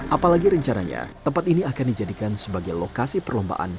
apalagi rencananya tempat ini akan dijadikan sebagai lokasi perlombaan